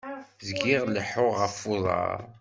Zgiɣ leḥḥuɣ ɣef uḍar.